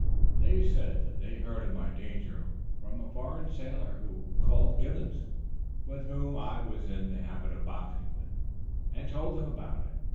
They said that they had heard of my danger from a foreign sailor who called at Gibbons', with whom I was in the habit of boxing, and told him about it.